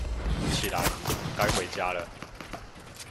起來，該回家了